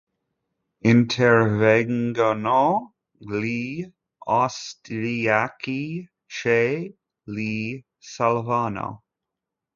Intervengono gli austriaci, che li salvano.